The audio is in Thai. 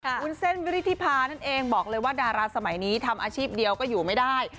วุ้นเส้นวิริธิพานั่นเองบอกเลยว่าดาราสมัยนี้ทำอาชีพเดียวก็อยู่ไม่ได้